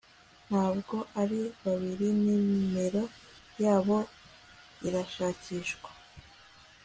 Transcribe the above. Ntabwo ari babiri nimero yabo irashakishwa